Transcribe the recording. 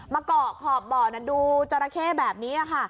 มาเกาะขอบบ่อดูจราเข้แบบนี้